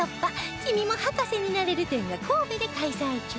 「君も博士になれる展」が神戸で開催中！